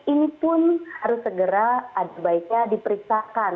ini pun harus segera ada baiknya diperiksakan